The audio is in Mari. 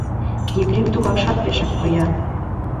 Епрем тугакшат пешак поян.